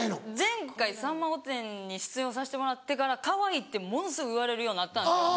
前回『さんま御殿‼』に出演をさしてもらってからかわいいってものすごい言われるようになったんですよ。